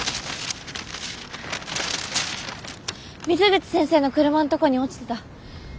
水口先生の車のとこに落ちてた。